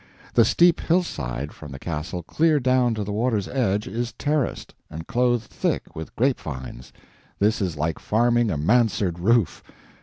The steep hillside, from the castle clear down to the water's edge, is terraced, and clothed thick with grape vines. This is like farming a mansard roof.